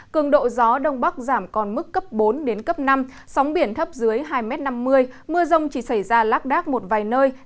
cường độ gió đông bắc giảm còn mức cấp bốn năm sóng biển thấp dưới hai m năm mươi mưa rông chỉ xảy ra lắc đắc một vài nơi